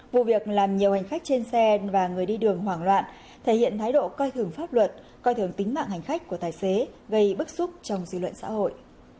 vụ việc làm nhiều hành khách trên xe và người đi đường hoảng loạn thể hiện thái độ coi thường pháp luật coi thường tính mạng hành khách của tài xế gây bức xúc trong dư luận xã hội